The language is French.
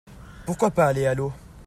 Pourquoi pas aller à l'eau ?